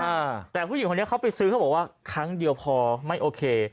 อ่าแต่ผู้หญิงคนนี้เขาไปซื้อเขาบอกว่าครั้งเดียวพอไม่โอเค